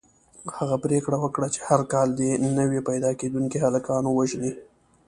هغه پرېکړه وکړه چې هر کال دې نوي پیدا کېدونکي هلکان ووژني.